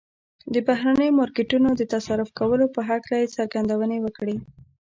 د بهرنيو مارکيټونو د تصرف کولو په هکله يې څرګندونې وکړې.